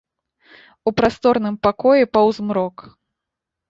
У прасторным пакоі паўзмрок.